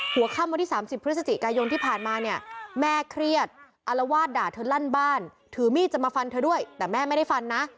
หัวค่ำวันที่๓๐พฤศจิกายนที่ผ่านมาเนี่ยแม่เครียดอารวาสด่าเธอลั่นบ้านถือมีดจะมาฟันเธอด้วยแต่แม่ไม่ได้ฟันนะ